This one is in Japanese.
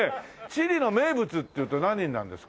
チリの名物っていうと何になるんですか？